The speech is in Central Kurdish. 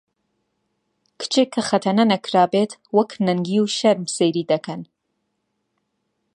کچێک کە خەتەنە نەکرابێت وەک نەنگی و شەرم سەیری دەکەن